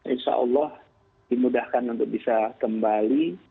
insya allah dimudahkan untuk bisa kembali